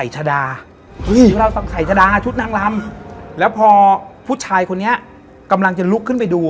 มันจะเกรงเกรง